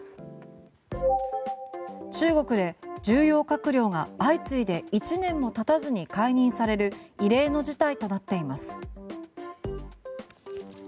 中国で重要閣僚が相次いで１年も経たずに解任される異例の事態となっています。